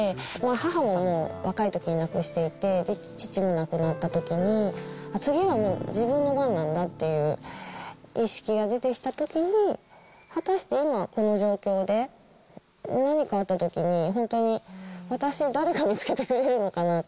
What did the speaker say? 母ももう、若いときに亡くしていて、父も亡くなったときに、次はもう自分の番なんだっていう意識が出てきたときに、果たして今、この状況で何かあったときに、本当に私を誰が見つけてくれるのかな。